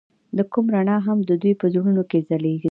د کوڅه رڼا هم د دوی په زړونو کې ځلېده.